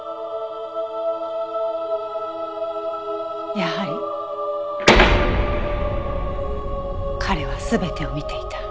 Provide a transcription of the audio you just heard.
やはり彼は全てを見ていた。